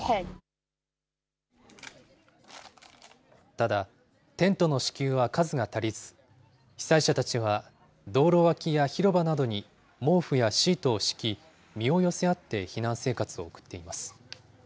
ただ、テントの支給は数が足りず、被災者たちは道路脇や広場などに毛布やシートを敷き、身を寄せ合って避難生活を送っています。